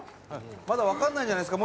まだわからないんじゃないですか？